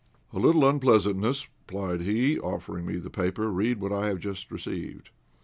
"A little unpleasantness," replied he, offering me the paper. "Read what I have just received."